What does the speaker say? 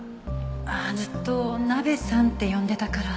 ずっとナベさんって呼んでたから。